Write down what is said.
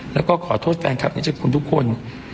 แล้วก็ขอโทษแฟนคลับในใจคุณทุกคน